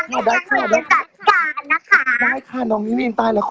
แม่น้องน้องน้องน้องน้องน้องน้องน้อง